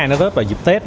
nó rớt vào dịp tết